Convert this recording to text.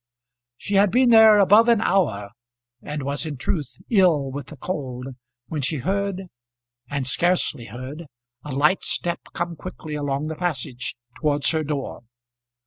She had been there above an hour and was in truth ill with the cold when she heard, and scarcely heard, a light step come quickly along the passage towards her door.